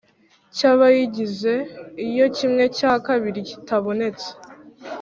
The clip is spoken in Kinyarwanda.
Cy abayigize iyo kimwe cya kabiri kitabonetse